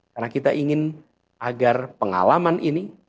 karena kita ingin agar pengalaman ini